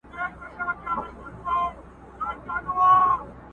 دوستان او وطنوال دي جهاني خدای په امان که.!